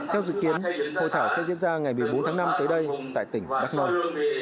theo dự kiến hội thảo sẽ diễn ra ngày một mươi bốn tháng năm tới đây tại tỉnh đắk nông